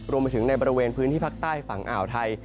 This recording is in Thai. รวมไปถึงในบริเวณพื้นที่ภาคใต้ฝั่งอ่าวไทย